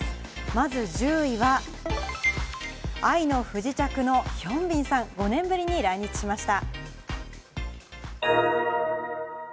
まず１０位は、『愛の不時着』のヒョンビンさん、５年ぶりに来日しました。